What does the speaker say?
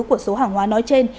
của số hàng hóa nói trên